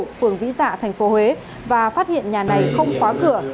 phường vĩ dạ thành phố huế và phát hiện nhà này không khóa cửa